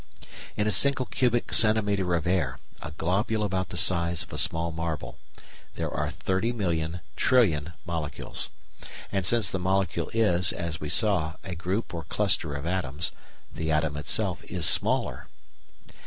In a single cubic centimetre of air a globule about the size of a small marble there are thirty million trillion molecules. And since the molecule is, as we saw, a group or cluster of atoms, the atom itself is smaller.